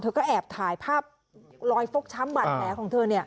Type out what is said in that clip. ก็แอบถ่ายภาพลอยฟกช้ำบาดแผลของเธอ